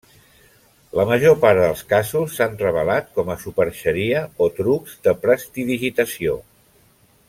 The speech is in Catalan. La major part dels casos s'han revelat com a superxeria o trucs de prestidigitació.